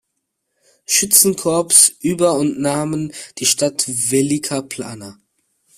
Schützenkorps über und nahmen die Stadt Velika Plana.